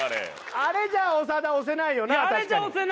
あれじゃあ長田押せないよな。